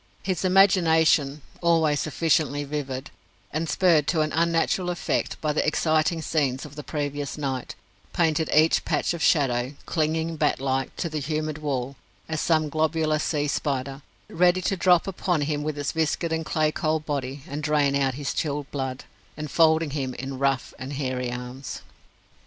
His imagination always sufficiently vivid, and spurred to an unnatural effect by the exciting scenes of the previous night painted each patch of shadow, clinging bat like to the humid wall, as some globular sea spider ready to drop upon him with its viscid and clay cold body, and drain out his chilled blood, enfolding him in rough and hairy arms.